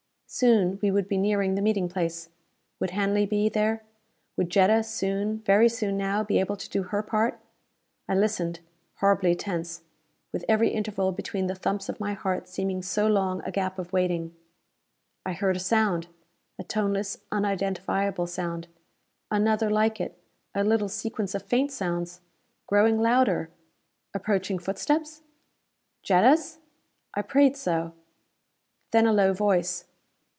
Soon we would be nearing the meeting place. Would Hanley be there? Would Jetta soon, very soon now, be able to do her part? I listened, horribly tense, with every interval between the thumps of my heart seeming so long a gap of waiting. I heard a sound! A toneless, unidentifiable sound. Another like it; a little sequence of faint sounds. Growing louder. Approaching footsteps? Jetta's? I prayed so. Then a low voice.